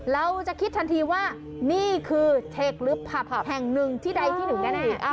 เราจะคิดทันทีว่านี่คือเทคลึบผับแห่งหนึ่งที่ใดที่หนึ่งแน่